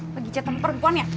bagi jatuh tempat perempuan ya